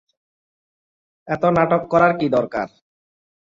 এত নাটক করার কী দরকার।